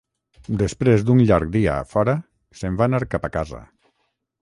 Després d'un llarg dia fora, se'n van anar cap a casa.